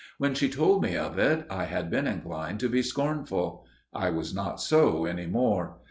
When she told me of it I had been inclined to be scornful. I was not so any more.